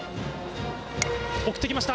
送ってきました。